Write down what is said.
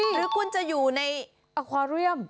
หรือคุณจะอยู่ในอคอเรียม